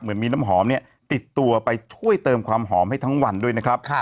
เหมือนมีน้ำหอมเนี่ยติดตัวไปช่วยเติมความหอมให้ทั้งวันด้วยนะครับ